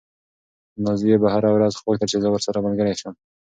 نازيې به هره ورځ غوښتل چې زه ورسره ملګرې شم.